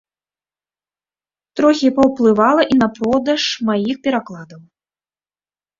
Трохі паўплывала і на продаж маіх перакладаў.